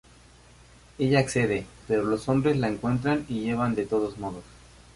Ella accede, pero los hombres la encuentran y la llevan de todos modos.